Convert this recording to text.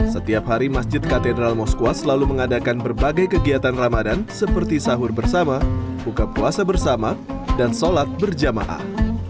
setiap hari masjid katedral moskwa selalu mengadakan berbagai kegiatan ramadan seperti sahur bersama buka puasa bersama dan sholat berjamaah